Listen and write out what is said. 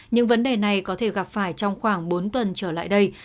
những vấn đề này có thể gặp phải trong khoảng bốn tuần trở lại đây